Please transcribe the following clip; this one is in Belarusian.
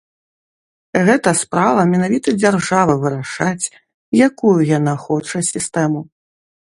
Гэта справа менавіта дзяржавы вырашаць, якую яна хоча сістэму.